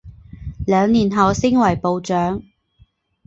两年后升为部长。